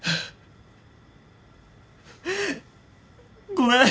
ごめん。